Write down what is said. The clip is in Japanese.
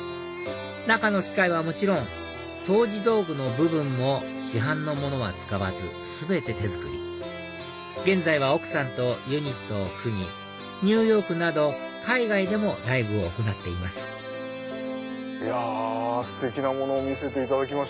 中の機械はもちろん掃除道具の部分も市販のものは使わず全て手作り現在は奥さんとユニットを組みニューヨークなど海外でもライブを行っていますいやステキなものを見せていただきました。